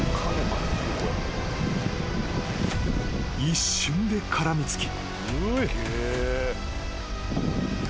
［一瞬で絡みつき］